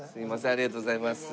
ありがとうございます。